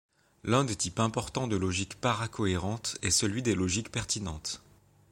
L'un des types importants de logique paracohérente est celui des logiques pertinentes.